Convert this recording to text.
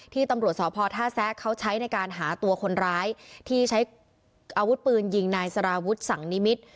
ตำรวจสพท่าแซะเขาใช้ในการหาตัวคนร้ายที่ใช้อาวุธปืนยิงนายสารวุฒิสังนิมิตร